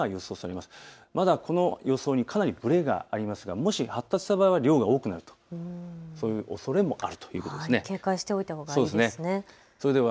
まだこの予想にかなりぶれがありますがもし発達した場合は量が多くなる、そういうおそれもあるということです。